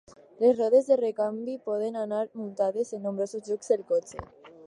Les rodes de recanvi poden anar muntades en nombrosos llocs del cotxe.